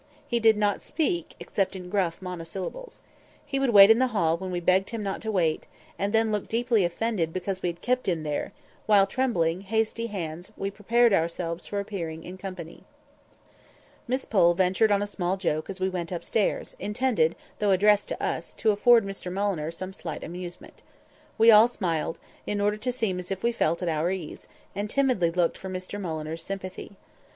He did not speak except in gruff monosyllables. He would wait in the hall when we begged him not to wait, and then look deeply offended because we had kept him there, while, with trembling, hasty hands we prepared ourselves for appearing in company. Miss Pole ventured on a small joke as we went upstairs, intended, though addressed to us, to afford Mr Mulliner some slight amusement. We all smiled, in order to seem as if we felt at our ease, and timidly looked for Mr Mulliner's sympathy.